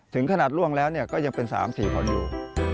ถึงขนาดล่วงแล้วก็ยังเป็น๓๔คนอยู่